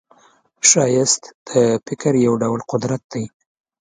ښایست د فکر یو ډول قدرت دی